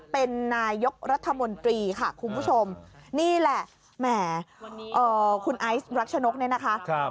เป็นนายกรัฐมนตรีค่ะคุณผู้ชมนี่แหละแหมคุณไอซ์รักชนกเนี่ยนะคะ